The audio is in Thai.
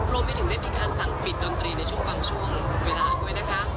รวมไปถึงได้มีการสั่งปิดดนตรีในช่วงบางช่วงเวลาด้วยนะคะ